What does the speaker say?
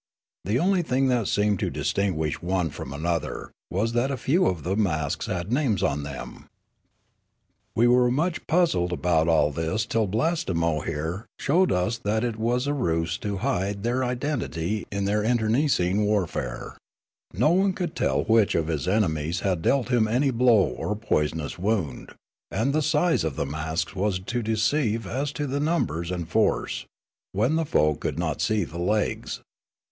The onl}' thing that seemed to distinguish one from another was that a few of the masks had names on them. " We were much puzzled about all this till Blastemo, here, showed us that it was a ruse to hide their identity in their internecine warfare ; no one could tell which of his enemies had dealt him any blow or poisonous wound ; and the size of the masks was to deceive as to the numbers and force, when the foe could not see the legs.